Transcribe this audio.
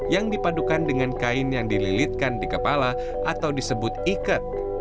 yang dipadukan dengan kain yang dililitkan di kepala atau disebut ikat